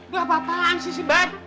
lo apa apaan sih si bar